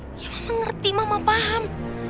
ya mama ngerti mama paham